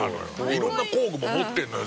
いろんな工具も持ってるのよ